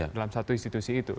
dalam satu institusi itu